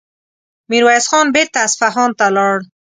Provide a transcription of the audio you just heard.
ميرويس خان بېرته اصفهان ته لاړ.